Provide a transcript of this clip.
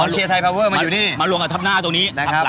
เชียร์ไทยพาเวอร์มาอยู่นี่มารวมกับทับหน้าตรงนี้นะครับ